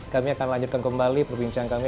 kami akan lanjutkan kembali perbincangan kami